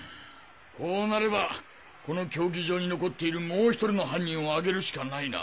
こうなればこの競技場に残っているもう１人の犯人を挙げるしかないな。